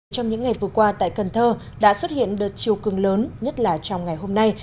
trong những ngày vừa qua tại cần thơ đã xuất hiện đợt chiều cường lớn nhất là trong ngày hôm nay